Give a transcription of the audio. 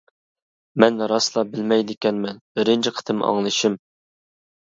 مەن راسلا بىلمەيدىكەنمەن، بىرىنچى قېتىم ئاڭلىشىم.